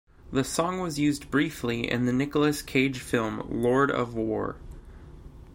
The song was used briefly in the Nicolas Cage film "Lord of War".